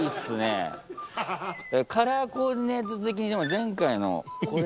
カラーコーディネート的にも前回の。